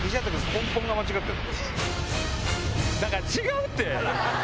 根本が間違ってる。